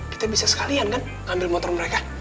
kita bisa sekalian kan ngambil motor mereka